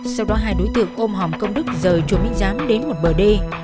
sau đó hai đối tượng ôm hồng công đức rời chùa minh giám đến một bờ đê